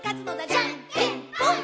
「じゃんけんぽん！！」